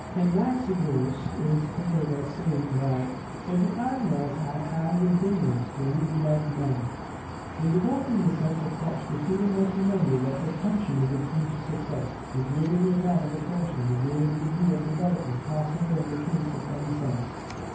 Anaxagoras is quoted as saying that "if the animals had hands and fingers, they would be like men." In developing the sense of Touch, the student must remember that Attention is the key to success. The greater the amount of Attention the greater the degree of development possible in the case of any sense.